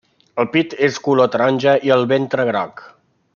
El pit és color taronja i el ventre groc.